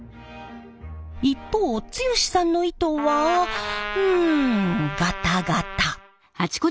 一方剛さんの糸はうんガタガタ。